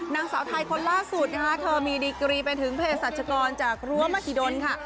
นางสาวไทยคนล่าสุดนะคะเธอมีดีกรีไปถึงเพศรัชกรจากรั้วมหิดลค่ะ